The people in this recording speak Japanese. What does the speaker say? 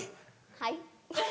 はい。